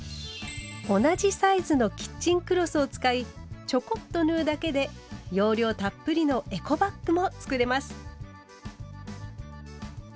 同じサイズのキッチンクロスを使いちょこっと縫うだけで容量たっぷりの「エコバッグ」も作れます。